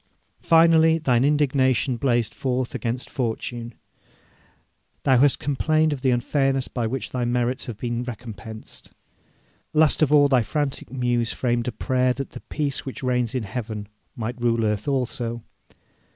Finally, thine indignation blazed forth against fortune; thou hast complained of the unfairness with which thy merits have been recompensed. Last of all thy frantic muse framed a prayer that the peace which reigns in heaven might rule earth also.